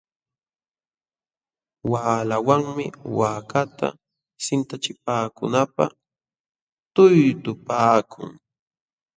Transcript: Waqlawanmi waakata sintachipaakunanpaq tuytupaakun.